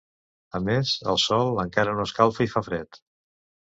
A més, el sol encara no escalfa i fa fred.